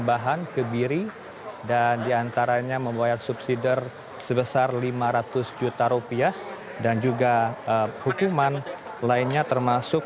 dan demikian sidang dinyatakan selesai dan ditutup